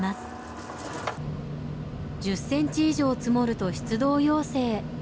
１０センチ以上積もると出動要請。